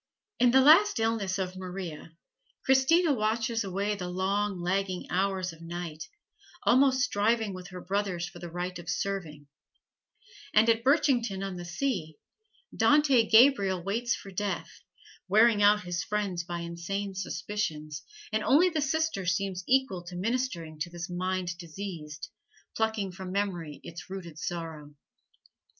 In the last illness of Maria, Christina watches away the long, lagging hours of night, almost striving with her brothers for the right of serving; and at Birchington on the Sea, Dante Gabriel waits for death, wearing out his friends by insane suspicions, and only the sister seems equal to ministering to this mind diseased, plucking from memory its rooted sorrow.